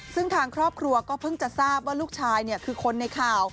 ซึ่งทางครอบครัวก็เพิ่งจะทราบว่าลูกชายคือคนในข่าว